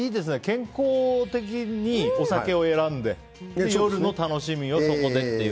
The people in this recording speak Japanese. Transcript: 健康的にお酒を選んで家の楽しみをそこでっていう。